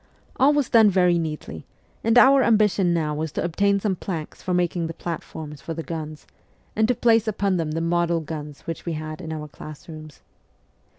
All was done very neatly, and our am bition now was to obtain some planks for making the platforms for the guns, and to place upon them the model guns which we had in our class rooms.